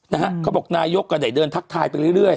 เขาบอกนายกก็ได้เดินทักทายไปเรื่อย